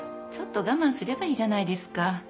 ちょっと我慢すればいいじゃないですか。